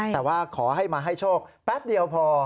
แต่ว่าขอให้มาให้โชคแป๊บเดียวพอ